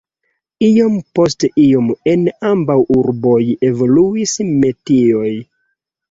Iom post iom en ambaŭ urboj evoluis metioj.